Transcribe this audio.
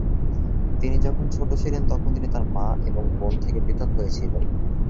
তিনি যখন ছোট ছিলেন তখন তিনি তার মা এবং বোন থেকে পৃথক হয়েছিলেন।